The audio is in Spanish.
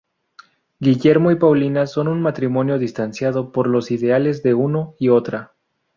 Guillermo y Paulina son un matrimonio distanciado por los ideales de uno y otra.